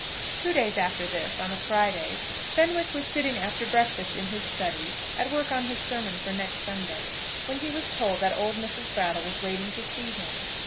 Two days after this, on a Friday, Fenwick was sitting after breakfast in his study, at work on his sermon for next Sunday, when he was told that old Mrs. Brattle was waiting to see him.